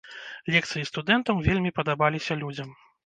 Лекцыі студэнтаў вельмі падабаліся людзям.